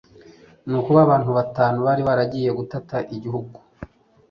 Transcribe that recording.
nuko ba bantu batanu bari baragiye gutata igihugu